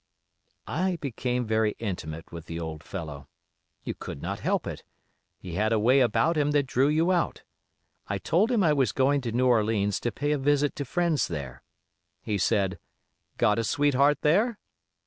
"I became very intimate with the old fellow. You could not help it. He had a way about him that drew you out. I told him I was going to New Orleans to pay a visit to friends there. He said, 'Got a sweetheart there?